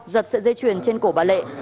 giật sợi dây chuyền trên cổ bà lệ